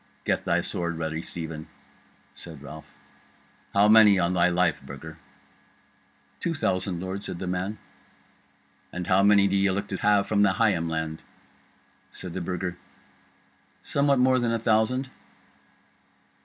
"Get thy sword ready, Stephen," said Ralph. "How many, on thy life, Burger?" "Two thousand, lord," said the man. "And how many do ye look to have from Higham land?" Said the Burger, "Somewhat more than a thousand."